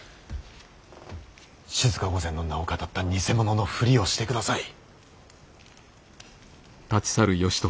静御前の名をかたった偽者のふりをしてください。